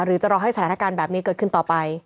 จะรอให้สถานการณ์แบบนี้เกิดขึ้นต่อไป